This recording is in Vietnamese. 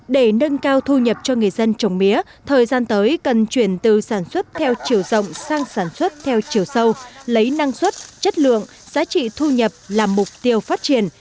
để nâng cao thu nhập cho người dân trồng mía thời gian tới cần chuyển từ sản xuất theo chiều rộng sang sản xuất theo chiều sâu lấy năng suất chất lượng giá trị thu nhập là mục tiêu phát triển